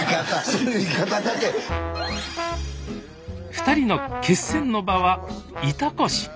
２人の決戦の場は潮来市。